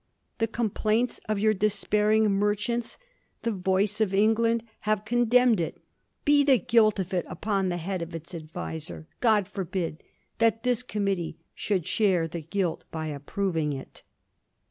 The complaints of your despairing merchants, the voice of England, have con demned it ; be the guilt of it upon the head of its adviser I God forbid that this committee should share the guilt by approving it